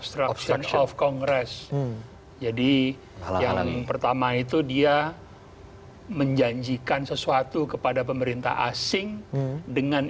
obstruction of congress jadi yang pertama itu dia menjanjikan sesuatu kepada pemerintah asing dengan